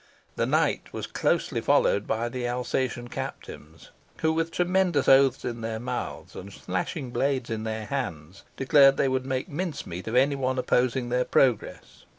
The knight was closely followed by the Alsatian captains, who, with tremendous oaths in their mouths, and slashing blades in their hands, declared they would make minced meat of any one opposing their progress.